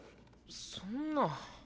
そんな。